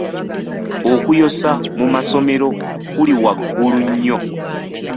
Okuyosa mu masomero kuli waggulu nnyo.